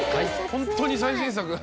ホントに最新作！